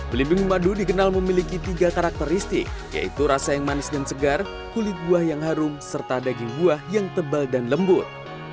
belimbing madu dikenal memiliki tiga karakteristik yaitu rasa yang manis dan segar kulit buah yang harum serta daging buah yang tebal dan lembut